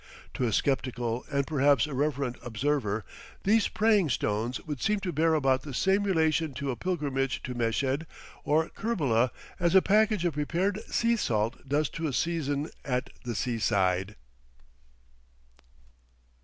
To a sceptical and perhaps irreverent observer, these praying stones would seem to bear about the same relation to a pilgrimage to Meshed or Kerbela as a package of prepared sea salt does to a season at the sea side.